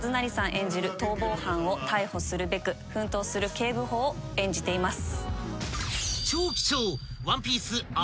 演じる逃亡犯を逮捕するべく奮闘する警部補を演じています。